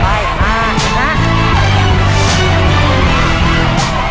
แท่งแล้วนะครับทุกคนครับ